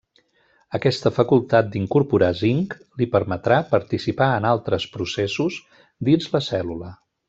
Aquesta facultat d'incorporar zinc, li permetrà participar en altres processos dins la cèl·lula.